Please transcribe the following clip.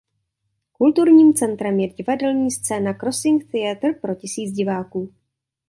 Kulturním centrem je divadelní scéna Crossing Theatre pro tisíc diváků.